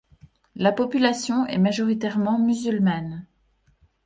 La population est majoritairement musulmane.